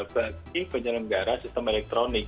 bagi penyelenggaraan sistem elektronik